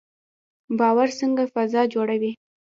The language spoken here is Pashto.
باور څنګه فضا جوړوي؟